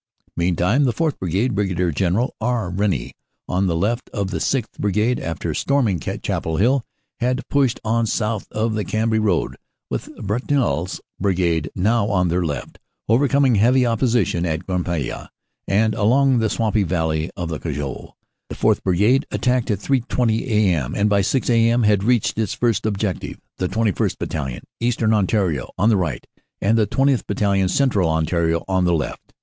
Meantime the 4th. Brigade, Brig. General R. Rennie, on the left of the 6th. Brigade, after storming Chapel Hill, had pushed on south of the Cambrai road, with Brutinel s Brigade now on their left, overcoming heavy opposition at Guemappe and along the swampy valley of the Cojeul. The 4th. Brigade attacked at 3.20 a.m. and by 6 a.m. had reached its first objective, the 21st. Battalion, Eastern Ontario, on the right, and the 20th. Battalion, Central Ontario, on the left.